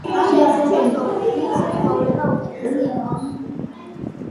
სეიძლება სოფელსი ცხოვრება უკეთწს იყოს